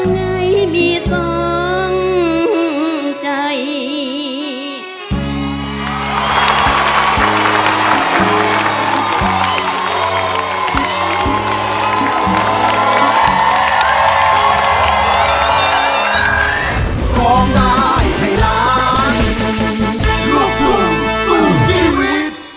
ไหนมีสองใจ